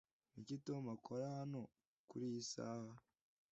niki tom akora hano kuriyi saha